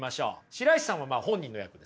白石さんは本人の役ですね。